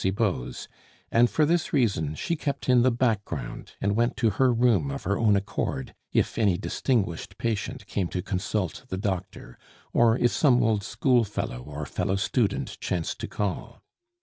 Cibot's); and for this reason she kept in the background, and went to her room of her own accord if any distinguished patient came to consult the doctor, or if some old schoolfellow or fellow student chanced to call.